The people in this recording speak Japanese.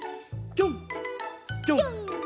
ぴょんぴょん。